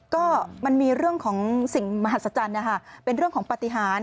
ก็มันมีเรื่องของสิ่งมหัศจรรย์นะคะเป็นเรื่องของปฏิหาร